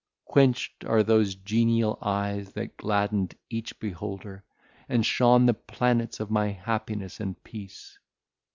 quenched are those genial eyes that gladdened each beholder, and shone the planets of my happiness and peace!